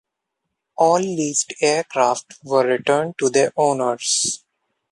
All leased aircraft were returned to their owners.